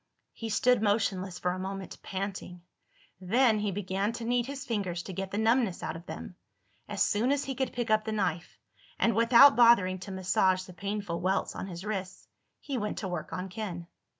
He stood motionless for a moment, panting. Then he began to knead his fingers to get the numbness out of them. As soon as he could pick up the knife—and without bothering to massage the painful welts on his wrists—he went to work on Ken.